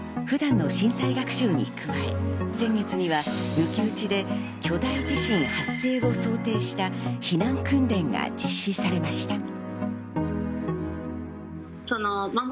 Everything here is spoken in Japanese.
普段の震災学習に加え、先月には抜き打ちで巨大地震発生を想定した避難訓練が実施されました。